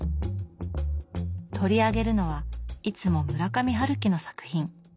取り上げるのはいつも村上春樹の作品。